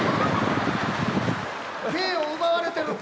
芸を奪われてる。